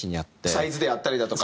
サイズであったりだとか。